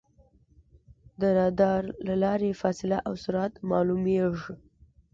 د رادار له لارې فاصله او سرعت معلومېږي.